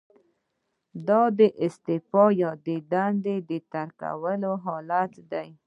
دا د استعفا یا دندې د ترک حالت دی.